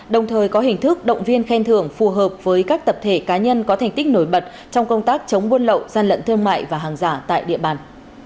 đồng thời có hình thức động viên khen thưởng phù hợp với các tập thể cá nhân có thành tích nổi bật trong công tác chống buôn lậu gian lận thương mại và hàng giả tại địa bàn